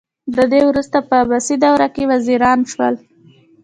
دوی وروسته په عباسي دربار کې وزیران شول